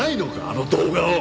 あの動画を。